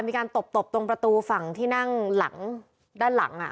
มีการตบตรงประโตอ่ฝั่งที่นั่งด้านหลังอ่ะ